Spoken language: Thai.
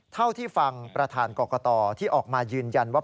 เท่าที่ฟังประธานกรกตที่ออกมายืนยันว่า